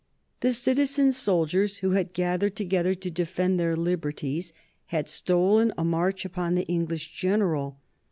The citizen soldiers who had gathered together to defend their liberties had stolen a march upon the English general.